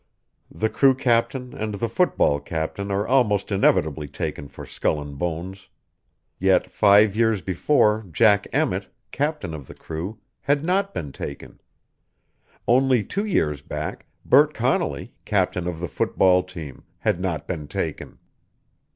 The crew captain and the foot ball captain are almost inevitably taken for Skull and Bones. Yet five years before Jack Emmett, captain of the crew, had not been taken; only two years back Bert Connolly, captain of the foot ball team, had not been taken.